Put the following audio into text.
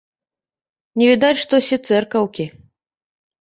Не відаць штось і цэркаўкі.